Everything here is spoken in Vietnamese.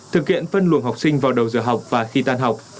thực hiện phân luồng học sinh vào đầu giờ học và khi tan học